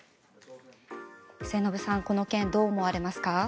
末延さん、この件どう思われますか？